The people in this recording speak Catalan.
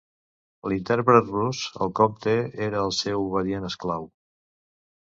L'intèrpret rus, el Comte, era el seu obedient esclau.